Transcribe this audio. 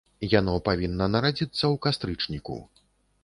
Яно павінна нарадзіцца ў кастрычніку.